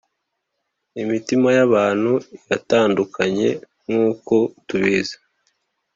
imitima yabantu iratandukanye nkuko tubizi